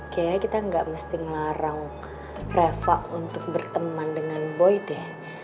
kayaknya kita nggak mesti ngelarang rafa untuk berteman dengan boy deh